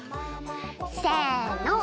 せの。